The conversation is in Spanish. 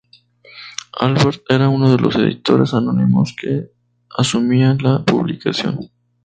Albert era uno de los editores anónimos que asumían la publicación.